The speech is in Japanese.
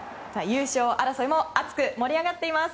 優勝争いも熱く盛り上がっています。